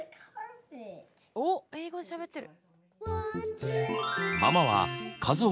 おっ英語しゃべってる。